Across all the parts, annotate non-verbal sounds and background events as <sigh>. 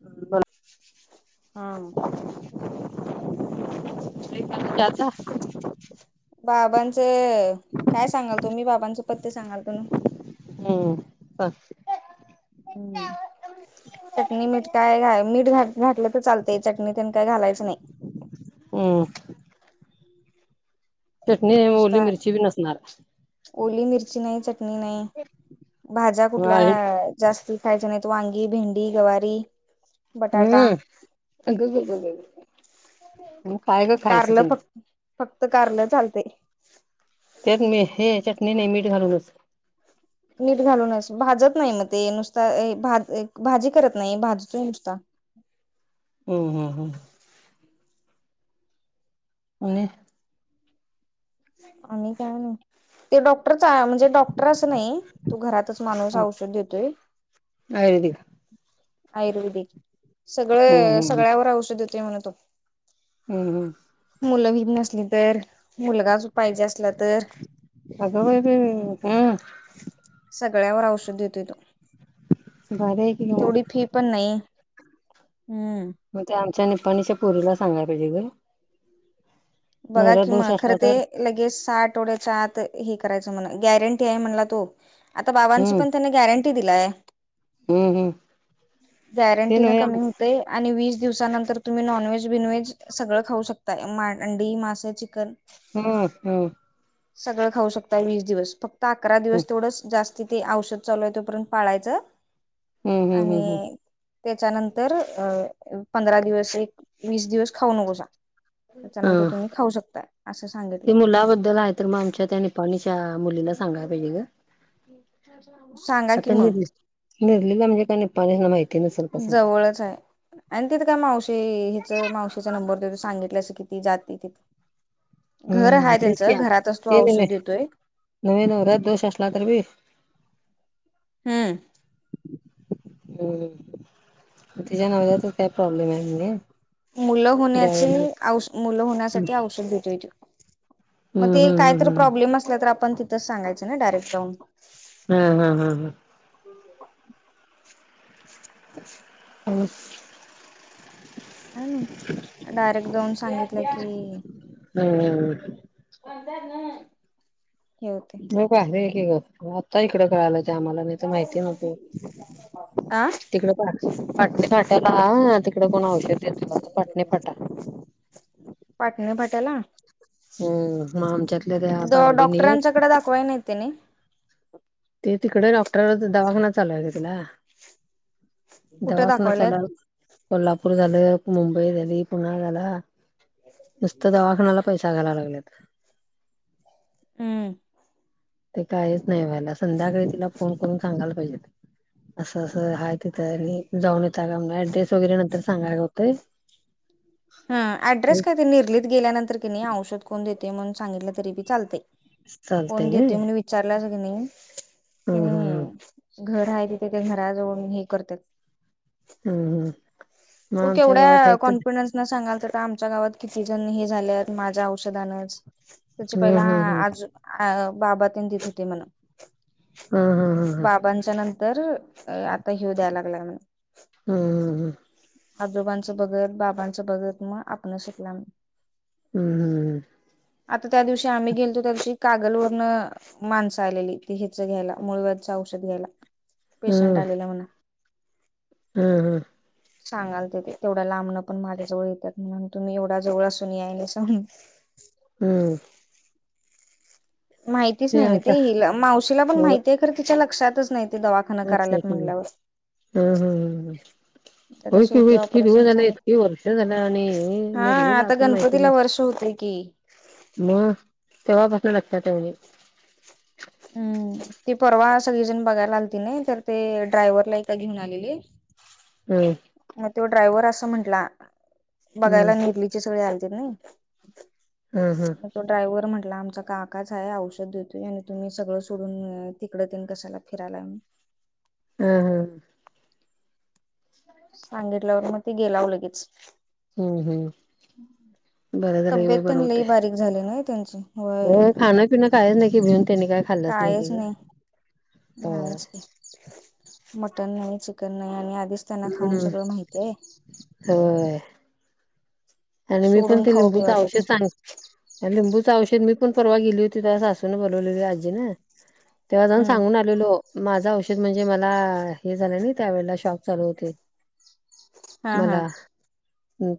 ह बर. हा. ता <inaudible> बाबांचं काय सांगाल तु मी बाबांचं पत्य सांगाल तो न मी. हम्म. पत्य. हम्. चटणी मीठ काय घ मीठ घ घातलं तर चालतयं. चटणी तेन काय घालायच नाही. हं. <unintelligible> चटणी ओली नुसता मिरची बी नसणार. ओली मिरची नाही. चटणी नाही. भाज्या कुठल्या जास्ती खायचे नाहीत. वांगी, भेंडी, गवारी बटाटा हम्. अगं गं गं गं गं. कारल फक्त. फक्त कारलं चालतयं. त्यात मी हे चटणी नाही मीठ घालूनच. मीठ घालूनच. भाजत नाही मग ते नुसता हे भाजी करत नाही भाजूच नुसता. हम्. हम. हम्. आणि - - आणि काय नाही. ते डॉक्टर आहे चा - -म्हणजे डॉक् क्टर असं नाही. तो घरातच माणूस औषध देतोय. आयुर्वेदिक आयुर्वेदिक. हम्म सगळं हम्म सगळ्यावर औषध देतोय म्हणतो. हम्. हम. मुलं हाईत नसली तर, मुलगाच पाहिजे असला तर आग बाई बाई बाई हं. सगळ्यावर औषध देतोयं तो. भारी हाय की. मग तेवढी फी पण नाही. हम्म. मग ते आमच्या निपाणीच्या पुरीला सांगाला पाहिजे गं. बघा किं म असला खरं ते तर लगेच सा आठवड्याच्या आत हे करायचं म्हण गॅरंटी हाय म्हणला तो. आता बाबांची हम्म पण तेनं गॅरंटी दिलाय. हम्म हम्म ते गॅरंटी न नव्हे कमी हुतयं आणि वीस दिवसानंतर तुम्ही नॉनव्हेज बिनव्हेज सगळं खाऊ शकताय. मा - - अंडि, मास, चिकन. हम, हम. सगळं खाऊ शकताय वीस दिवस फक्त अकरा हम्म दिवस तेवढंच जास्त - - किथली औषध चालू हाय तोपर्यंत पाळायचं हम्म हम्म हम्म आणि त्याच्यानंतर अ पंधरा दिवस एक वीस दिवस खाऊ नकोसा. हा. त्याच्यानंतर तुम्ही खाऊ शकताय असं ते सांगितलं मुलाबद्दल आहेत तर मग आमच्या त्या निपाणीच्या मुलीला सांगायला पाहिजे गं. सांगा की आता मग निरली. निरलीला म्हणजे काय निपाणीस माहिती नसलं. जवळच हाय. आणि तिथं काय मावशी हिच मावशीचा नंबर दे त सांगितलं अस किती जाते तिथं. घर हम्म आहेय तेच त्यांचं घरातचतो औषध देतोय. नवी नवऱ्यात दोष असला तररी बी. हम्म. हम्. तिच्या नवऱ्यातच काय प्रॉब्लेम हाय म्हणे. मुलं होण्याचे द्यावेळेला औष मुलं होण्यासाठी औषध देतोय तो. मग ते हम्म हम्म कायत हम्म हम्म प्रॉब्लेम असल्या तर आपण तिथंच सांगायचं ना डायरेक्ट जाऊन.. हम् हम् हम हम. आणि <unintelligible> डायरेक्ट जाऊन सांगितलं की. ठव. मग आहे कर आता इकडं कळाला ते आम्हाला नाही तर माहिती नव्हतो. आ तिकडे फाटणे फाट्याला तिकडे कोण औषध द तु त पाटणे फाटा. पाटणे फट्याला. हो मा आमच. द डॉक्टरांच्याकडे दाखवाय नाही ते नाही. ते तिकडे डॉक्टरवर दवाखाना चालूय तिला. कुठे दवाखाना दाखवायल्यात चालू आहे. कोल्हापूर झालं मुंबई झाली पुन झाला नुसतं दवाखान्याला. पैसा घायला लागल्यात. हम्म. ते काहीच नाही व्हायला संध्याकाळी तिला फोन करून सांगायला पाहिजे. असं असं आहे तिथं जाऊन येत का मग ऍड्रेस वगैरे नंतर सांगाय का होते. ह ऍड्रेस काय ते निर्लीित गेल्यानंतर कि नाही औषध कोण देते म्हणून सांगितलं तरी बी चालते. कोण चालतंय ना देते म्ह विचारला अस की नाही की हम्म हम्म नाही. घर आहे तिथे ते घराजवळन हे करतात. हम् हम्. तू केवढा कनफिडेनस. सांगाल तर आमच्या गावात किती जण हे झाले आहेत माझ्या औषधान. त्याची हम्म पहिला हम्म आजून बाबा त्यां देत होती म्हणून. हम हा हा हा. पंच्या नंतर आता हिऊ द्याय लागला म्हण.. हम्म. अबजोबांचं बघत बाबांचं बघत मग आपण शकला्. हम्म. हम्म. आता त्या दिवशी आम्ही गेलतो त्या दिवशी कागल वरन. माणसं आलेली ती ह्याच घ्यायला मुळव्याच औषध घ्यायला पेशंट आलेला म्हणा. हम् हम. सांगल ते तेवढं लांबणं पण माझ्याजवळ येतात म्ह तुम्ही एवढा जवळ असून यायले सून. हम्म. माहितीच नाही नाही ते हि मावशीला पण माहिती आहे खर तिच्या लक्षातच नाही. दवाखा करायत म्हटल्यावर. हं हं हं त्या होय की हो, शेवटी इतकी दिवस ऑपरेशन झाले इतकी वर्ष झालं आणि सांगित हा निर्लीला आता असून माहिती गणपतीला वर्ष होते. ककी. मग तेव्हापासून लगतातवी. हम्म ती परवा सगळीजण बघायला आलती नाही तर ते ड्रायव्हरला एका घेऊन आलेले. हम्म. मग तो ड्रायव्हर असं म्हंटला हम्म हम्म बघायला निरलीचे सगळे आलेतील ना. हम् हम्. तो ड्रायव्हर म्हटला आमचा काकाच आहे औषध देतोय आणि तुम्ही सगळं सोडून तिकडं तन कसायला. फेर आलय. हम हम. सांगितल्यावर मग ते गेलाव लगेच हम्म हम् बर झालं तब्येत बाई बर तेन होते लई बारीक झाली नाही त्यांची हो होय खाण पिण काहीच नाही की भेऊन त्यांनी काय खाल्लच नाही की ग नाहीच मटन नाही चिकन नाही आणि आधीच त्यांना हम्म खाऊन हम् सगळं माहिती आहे होय आणि मी पण सोडून ते खाऊ बी लिंबूच वाटत नाही औषध सांग लिंबूचं औषध मी पण परवा गेली होती तेव्हा सासूनं बोलवलेली आजी ना तेव्हा जाऊन हम्म सांगू ना ो माझा औषध म्हणजे मला हे झालं ना त्या वळेला शॉक चालू होते. हा हा मला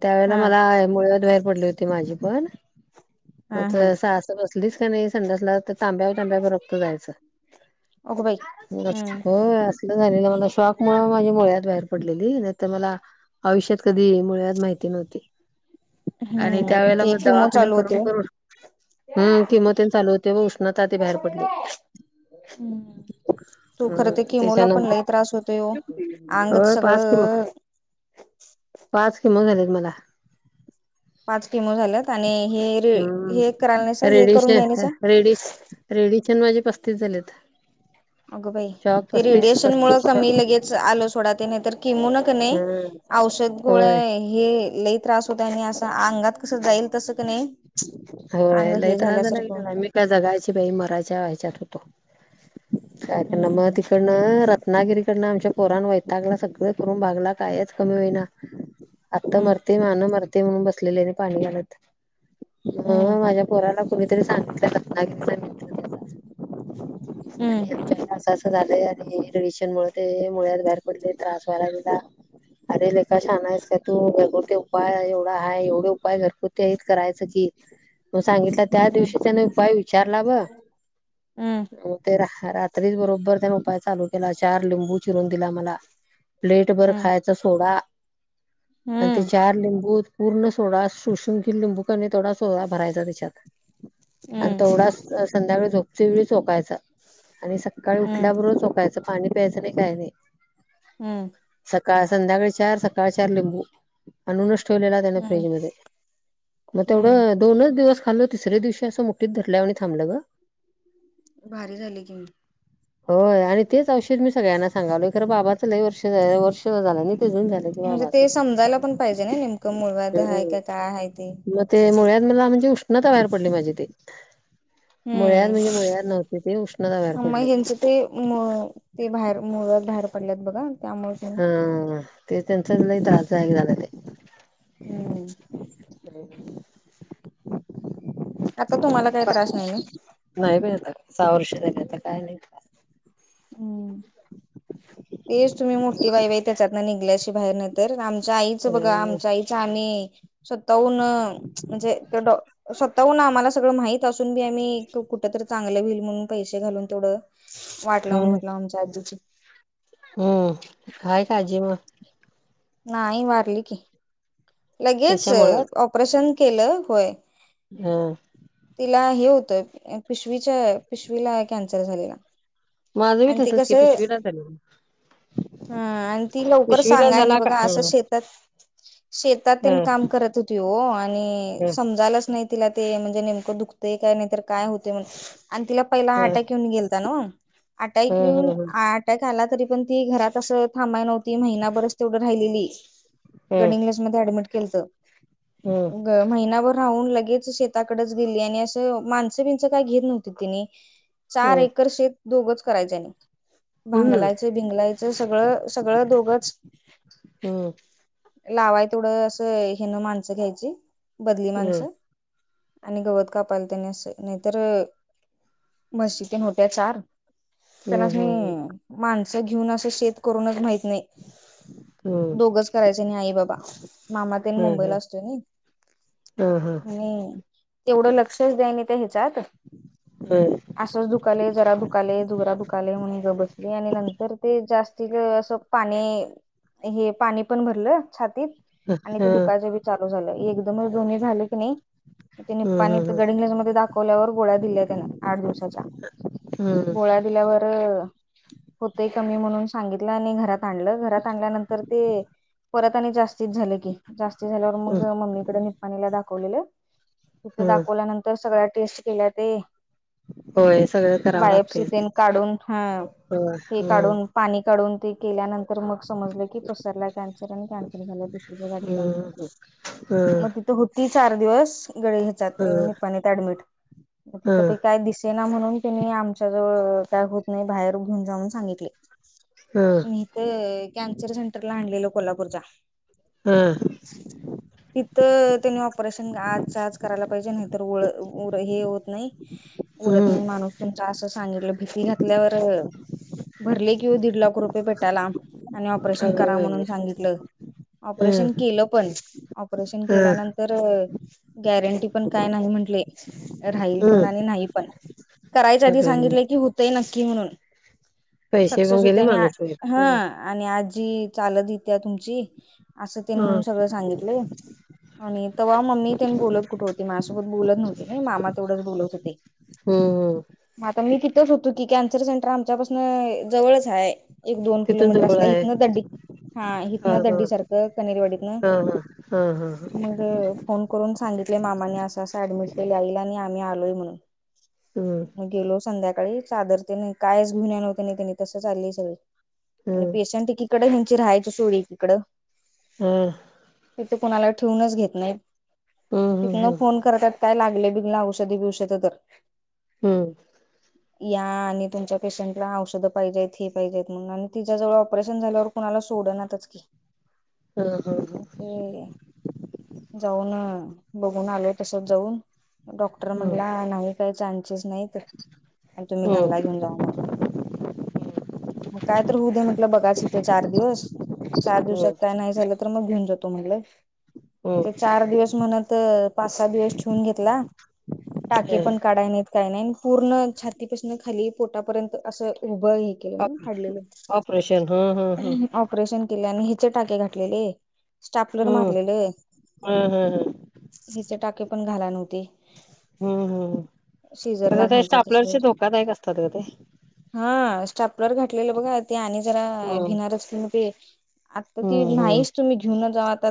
त्यावेेळेला हा मुळव्याद. बाहेर पडली होती माझ पण हा हा बसलीच का नाही संड्यासला तर तांब्या तांब्या भर रक्त जायचं. अगं बाई हम्म होय झाले मला शॉक मुळ माझ्या मुळ्यात बाहेर पडलेली नाही तर मला आयुष्यात कधी येई मुळव्याद माहिती नव्हती. आणि हम्म त्या वेळेला ते मग किमो दवाखाने चालू करून होते करून हम् किमो तीन चालू होते व उष्णता ती बाहेर पडली हम्म तू खरं ते हम्म किमोला पण लई त्याच्यानंतर त्रास होत अंग होय पाच किमो सगळं पाच किमाो झालेत मला. पाच कीमो झाल्यात आणि हे र हम्म हे करण्याचा हे करून घेण्याचा रेडिशन माझे पस्तीस झालेत. अगं बाई शॉक ते पस्तीस रेडिएशन मुळ पस्तीस कमी शॉक लगेच आल सोडा त्या नाही तर किमोन का नाही हम्म औषध गोळ्या होय हे लई त्रास होत आणि अस अंगात कस जाईल तस क नाही होय अंग लय हे त्रास झाला की झाल्यासारखं त्याला मी काय जगायची बाई मरायच्या ह्याच्यात होतो. हम्म <unintelligible> रत्नागिरीकडनं आमच्या पोरन वैतागला सगळं करून भागला कायच कमी होईना ह आत्ता हम्म मरते मान मरते म्हणून बसलेले पाणी घालत हम्म मग माझ्या पोराला कुणीतरी सांगितलं रत्नागिरी च असं झालंय आणि रवि त्यामुळे ते मुळव्याद बाहेर पडले त्रास व्हय लागला. अरे लेका शहाणा आहेस का तू घरगुती उपाय एवढा आहे एवढे उपाय घरगुती करायचं की मग सांगितलं त्या हम्म दिवशी त्याने उपाय विचारला ब हमं हो ते रात्रीच बरोबर त्याने उपाय चालू केला चार लिंबू चिरून दिला मला. प्लेट भर हम्म खायचा सोडा आणि ते हम्म हम्म चार लिंबू पूर्ण सोडा शोषून घेईल लिंबू की नाही पूर्ण सोडा भरायचा त्याच्यात हम्म आणि तेवढा संध्याकाळी झोपते वेळी चोकायचा आणि काळी हम्म उठल्याबरोबर चोकायचं, पाणी प्यायचं नाही काही नाही. हम्म. सकाळ संध्याकाळी चार सकाळ चार लिंबू आणूनच ठेवलेला त्यान हम्म फ्रीज मध्ये, मग हम्म तेवढं दोनच दिवस खाल्ल तिसऱ्या दिवशी असं मुठीत धरल्यावानी थांबलं गं. भारी झाल की म होय आणि तेच औषध मी सगळ्यांना सांगावलंय खरं बाबाच ल वर्ष वर्ष झालं आणि तेिजून झालं की म्हणजे बाबाचं ते समजायला पण पाहिजे ना नेमकं मूळव्याध आहे हम्म का काय आहे ते मग ते मूळव्याध मला म्हणजे उष्णता बाहेर पडली माझी ते - मुळ्यात हम्म म्हणजे मुळ्यात नव्हती ते उष्णताबाहेर मग पडले ह्यांचं ते ते बाहेर मूळव्याध बाहेर पडल्यात बघा त्यामुळे ह ते त्यांच नाही जाही झालं ते हम्म. <inaudible> आता तुम्हाला काही त्रास नाही नाही बय आता, सहा वर्षे झाली आता काय नही. हम्म तेच तुम्ही मोठी बाईबाई त्याच्यात ना निघल्याशी बाहेर नहि तर आम आमच्या आईचं बघा हम्म आमच्या आई आणि स्वतःहून म्हणजे तेवढं स्वतःहून आम्हाला सगळं माहित असून बी आम्ही कुठ चांगलं व्हईल म्हणून पैसे घालून तेवढं वाट लावून हम्म घेतला आमच्या आजीची हम्म आहे काळजी मग नाही मारली की, लगेच त्याच्यामुळंच ऑपरेशन केलं होय. हम. तिला हे होतं पिशवीच्या पिशवीला कॅन्सर झालेला. माझं बी तसंच कि पिथवीला झालेलं. हं आणि ती लवकर पिशवीला सांगाय नही झाला का बघा असं हं शेतात शेतातीन हं काम करत होती हो, आणि हं समजालाच नाही. तिला ते म्हणजे नेमकं दुखतंय काय नाही तर काय होतंय आणि तिला पहिला हं आटाक येऊन गेलता नव्ह. आटाक हं येेऊन हं हं आ काय खाल्ला तरी पण ती घरात अस थांबाय नव्हती. महिनाभरच तेवढं राहिलेली हं गडंहिंग्लज मधं ऍडमिट केलतं हं महिनाभर राहून लगेच शेताकडच गेली आणि असं माणसं बिणसं काय घेत नव्हती तिनी <inaudible> चार एकर शेत दोघंच करायचने. होय भांगलायचे भिंगलायचं सगळं सगळं दोघंच हम लावाय तेवढं असं हेनं माणसं घ्यायची, बदली माणसं आणि गवत कापायला त्यानी असं नाही तरर म्हशी ते मोठ्या चार त्यांना <unintelligible> माणसं घेऊन असं शेत करूनच माहित नाही. दोघच करायचे आणि आई बाबा. मामा तेन मुंबईला असतोय नहि. आणि तेवढं लक्षच द्यान ते ह्याच्यात असंच दुखयलं जरा दुखायलं जोरा दखायलं म्हणून गप बसली आणि नंतर ते जास्तीत असं पाणी हे पाणी पण भरलं छातीत आणि ते दुकायचं बी चालू झालं एकदमच दोन्ही झालं की नाही ते निप्पानी गडहिंग्लज मध्ये दाखवल्यावर गोळ्या दिल्या त्यानं, आठ दिवसाच्या गोळ्या लावर होतय कमी म्हणून सांगितलं आणि घरात आणलं घरात आणल्यानंतर ते परत आणि जास्त झा कीस् झाल्यावर मग मम्मीकडे निणी दाखवले तिथ दाखवल्यानंतर तर सगळ्या टेस्ट केल्या ते सगळं करावं वायप सी लागतयच तेन ते काढून हा होय हे काढून पाणी काढून ते केल्यानंतर मग समजलं की पसरला कॅन्सर आणि कनसर हम्म हम्म हम्म मग तिथ होती चार दिवस ग. तथ सेना म्हणून त्यांनी आमच्या जवळ काय होत नाही बाहेर घेऊन जाऊन सांगितले. हं. मीथ कॅन्सर सेंटरला आणलेलो कोल्हापूरच्या. हम. तिथं त्यानी ऑपरेशन आजच्या आज करायला पाहिजे नाहीतर वळ ऊर हे होत नाही उरत हम्म हम्म नहि माणूस तुमच असं सांगितलं भीती घातल्यावर भरले किंवा दीड लाख रुपये भेटायला. आणि ऑपरेशन अगं करा बाई म्हणून सांगितलं ऑपरेशन हम्म केलं पण ऑपरेशन हम्म केल्यानंतर तर गॅरंटी पण काय नाही म्हंटले. राहील पण हम्म आणि नाही पण करायच्या आधी अगं सांगितलं बाई. की हो. हो नक्की म्हणून पैसे पण सक्सेस होते गेले आणि माणूस होईल हम्म हा. आणि आजी चालत येते्या तुमची? असं तिने हा म्हून सगळं सांगितलंय. आणि तेव्हा मम्मी त्यांनी बोलत कुठे होते माझसोबत बोलत नव्हती मामा तेवढंच बोलत होते. हो हो. आता मी तिथंच होतो की कॅन्सर सेंटर आमच्यापासून जवळच आहे. एक दोन तिथून किलोमीटर जवळ असला आहे इथनं दड्डी हा इथनं दड्डी चरक कनीरी वाडीन हा हा हा हा हा मग फोन करून सांगितले मामाने असं असं ऍडमिट केले येईल आणि आम्ही आलोय म्हणून हम्म म गेलो संध्याकाळी चादरते नाही कायच घेऊन नव्हते नाही त्यांनी तस चाललं सगळी आणि हम्म पेशंटीकडं घची राहायची सोळी इीकडं. हम. तिथे कणाला ठेवूनच घेत नाही तथन हम्म फोन करतात. काय लागले बिघ औषधी बिषध तर हम्म. या आणि तुमच्या पेशंटला औषधं पाहिजेत हे पाहिजेत म्हणून आणि तिच्या जवळ ऑपरेशन झाल्यावर कुणाला सोडनाच की हा हा. ते जाऊन बघून आले तस जाऊन डॉक्टर हम्म म्हणला नाही काही चान्सेस नाहीत आणि तुम्ही हम्म घरला घेऊन जावा म्हणून काय तर होऊ दे म्हटलं बघाच इथे चार दिवस चार हम्म दिवसात हम्म काय नाही झालं तर मग घेऊन जातो म्हटलं. हम्म ते चार दिवस म्हणत पाच सात दिवस ठेवून घेतला टाके पण हम्म काढाय नाही. काही नाही पूर्ण छातीपासून खाली पोटापर्यंत असं उभं ऑप ऑपरेशन हं हं <unintelligible> ऑपरेशन केलेने हिचे टाके घातलेले स्टापलर हं मारलेले हं हं हं हिचे टाके पण घाला नव्हते. हम्म शिजरला हम् ते घालतात तसले स्टापलरचे धोकादायक असतात का ते हा स्टापलर घटलेलं बघा ते आणि जरा हं भिणारच ते आता हं ती हं नाहीच तुम्ही घेऊन जा आता